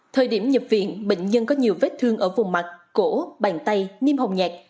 thời điểm nhập viện bệnh nhân có nhiều vết thương ở vùng mặt cổ bàn tay niêm hồng nhạt